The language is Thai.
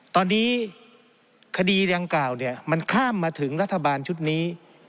ตอนนี้คดีดังกล่าวเนี่ยมันข้ามมาถึงรัฐบาลชุดนี้